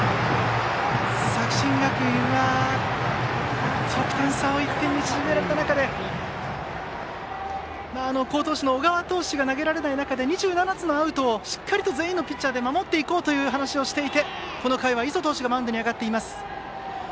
作新学院は得点差を１点に縮められた中で好投手の小川投手が投げられない中で２７つのアウトをしっかりと全員のピッチャーで守っていこうという話をしていてこの回は磯投手がマウンドに上がっています。